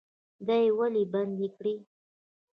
دا یې ولې بندي کړي؟